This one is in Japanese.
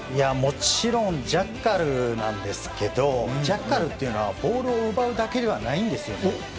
もちろんジャッカルなんですけどジャッカルというのはボールを奪うだけではないんです。